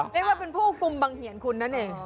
เรียกว่าเป็นผู้กุมบังเหียนคุณนั่นเอง